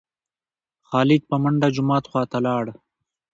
خالد په منډه جومات خوا ته لاړ.